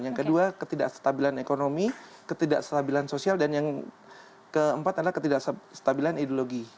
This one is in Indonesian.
yang kedua ketidakstabilan ekonomi ketidakstabilan sosial dan yang keempat adalah ketidakstabilan ideologi